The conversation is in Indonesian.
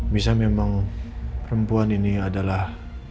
misal memang perempuan ini adalah